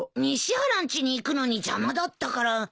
西原んちに行くのに邪魔だったから。